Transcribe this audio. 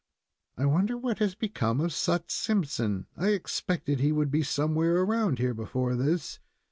I wonder what has become of Sut Simpson? I expected he would be somewhere around here before this.